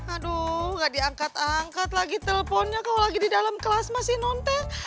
aduh gak diangkat angkat lagi teleponnya kalau lagi di dalam kelas masih nonton